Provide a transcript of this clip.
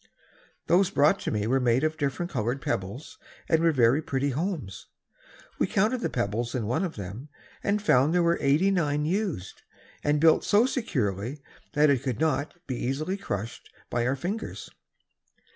Those brought to me were made of different colored pebbles and were very pretty homes. We counted the pebbles in one of them and found there were eighty nine used, and built so securely that it could not be easily crushed by our fingers.